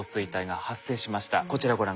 こちらご覧下さい。